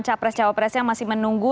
capres cawapres yang masih menunggu